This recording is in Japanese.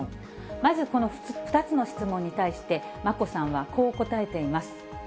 まずこの２つの質問に対して、眞子さんはこう答えています。